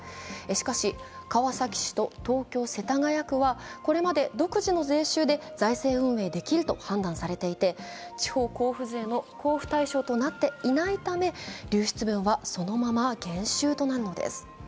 しかし、川崎市と東京・世田谷区はこれまで独自の税収で財政運営できると判断されていて、地方交付税の交付対象となっていないため流出分はそのまま減収となるのです。